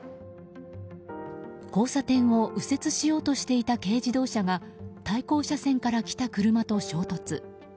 交差点を右折しようとしていた軽自動車が対向車線から来た車と衝突。